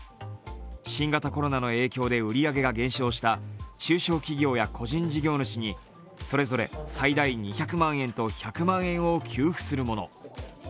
新型コロナの影響で売り上げが減少した中小企業や個人事業主にそれぞれ最大２００万円と１００万円を給付するというもの。